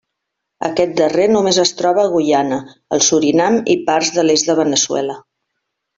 Aquest darrer només es troba a Guyana, el Surinam i parts de l'est de Veneçuela.